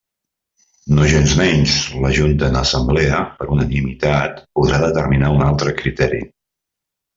Nogensmenys, la Junta en Assemblea, per unanimitat, podrà determinar un altre criteri.